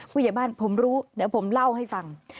ผู้ใหญ่บ้านผมรู้เดี๋ยวผมเล่าให้ฟัง